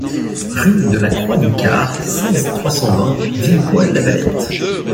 Rue de la Croix de Quart, seize, trois cent vingt Villebois-Lavalette